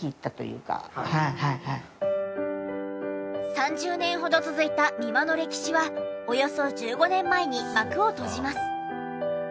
３０年ほど続いた美馬の歴史はおよそ１５年前に幕を閉じます。